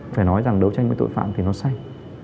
phải nói rằng đấu tranh với tội phạm thì nó sai